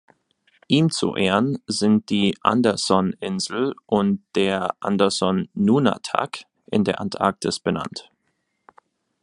Ihm zu Ehren sind die Andersson-Insel und der Andersson-Nunatak in der Antarktis benannt.